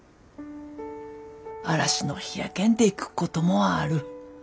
嵐の日やけんでくっこともある。